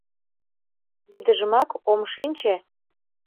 — Тидыжымак ом шинче.